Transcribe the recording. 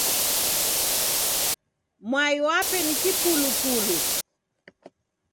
Mwai wape ni kipulupulu.